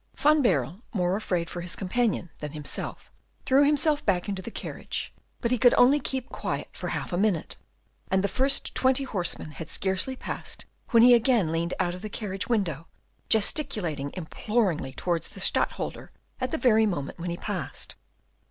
Van Baerle, more afraid for his companion than himself, threw himself back into the carriage, but he could only keep quiet for half a minute, and the first twenty horsemen had scarcely passed when he again leaned out of the carriage window, gesticulating imploringly towards the Stadtholder at the very moment when he passed.